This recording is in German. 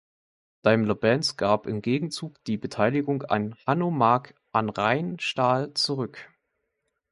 Daimler-Benz gab im Gegenzug die Beteiligung an Hanomag an Rheinstahl zurück.